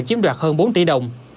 chiếm đoạt hơn bốn tỷ đồng